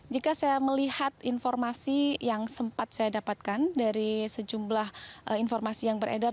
jika saya melihat informasi yang sempat saya dapatkan dari sejumlah informasi yang beredar